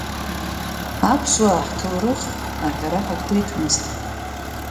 Аԥсуаа ҳҭоурых аҳәара ҳақәиҭымызт.